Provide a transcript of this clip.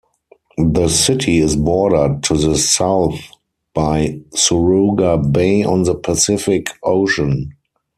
The city is bordered to the south by Suruga Bay on the Pacific Ocean.